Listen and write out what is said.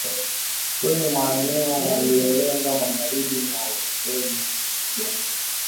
kwenye maeneo yaliyolenga magharibi mwa Ukraine